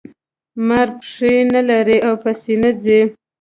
مار پښې نلري او په سینه ځي